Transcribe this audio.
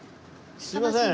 すいません。